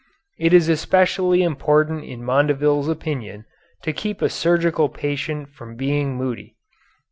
It is especially important in Mondeville's opinion to keep a surgical patient from being moody.